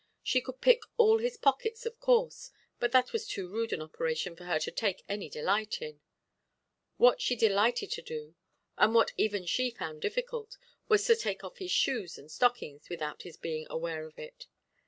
She could pick all his pockets, of course; but that was too rude an operation for her to take any delight in it. What she delighted to do, and what even she found difficult, was to take off his shoes and stockings without his being aware of it.